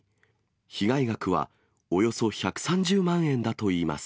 被害額はおよそ１３０万円だといいます。